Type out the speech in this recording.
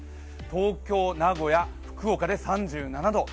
東京、名古屋、福岡で３７度。